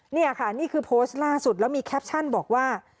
นี่ค่ะนี่คือโพสต์ล่าสุดแล้วมีแคปชั่นบอกว่า